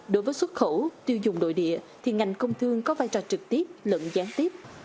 đối với xuất khẩu tiêu dùng nội địa thì ngành công thương có vai trò trực tiếp lẫn gián tiếp